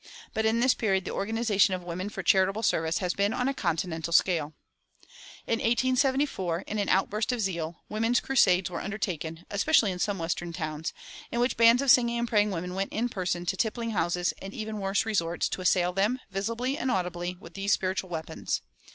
But in this period the organization of women for charitable service has been on a continental scale. In 1874, in an outburst of zeal, "women's crusades" were undertaken, especially in some western towns, in which bands of singing and praying women went in person to tippling houses and even worse resorts, to assail them, visibly and audibly, with these spiritual weapons.